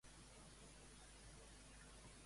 Permet-me recordar-te que sóc un dimoni!